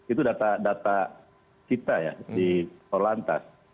itu data data kita ya di kuala lantas